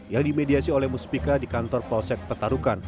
yang dimediasi oleh muspika di kantor prosek petarukan